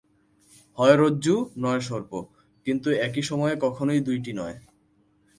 হয় রজ্জু, নয় সর্প, কিন্তু একই সময়ে কখনই দুইটি নয়।